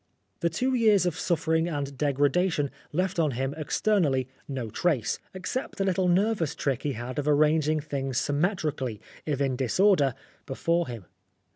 The two years of suffering and degrada tion left on him externally no trace, except a little nervous trick he had of arranging things symmetrically, if in disorder, before him.